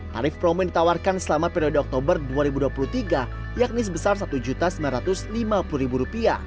tarif promo ditawarkan selama periode oktober dua ribu dua puluh tiga yakni sebesar rp satu sembilan ratus lima puluh